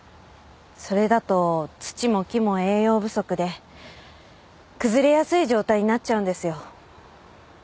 それだと土も木も栄養不足で崩れやすい状態になっちゃうんですよ。